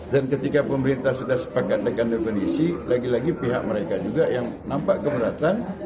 dan ketika pemerintah sudah sepakat dengan definisi lagi lagi pihak mereka juga yang nampak keberatan